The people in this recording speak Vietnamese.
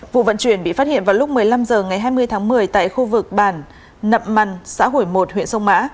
vụ vận chuyển bị phát hiện vào lúc một mươi năm h ngày hai mươi tháng một mươi tại khu vực bản nậm măn xã hủy một huyện sông mã